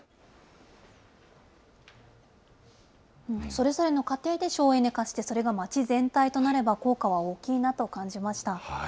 それぞれの家庭で省エネ化して、それが町全体となれば、効果は大きいなと感じました。